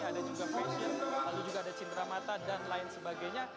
ada juga fashion lalu juga ada cinderamata dan lain sebagainya